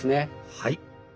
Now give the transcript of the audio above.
はい。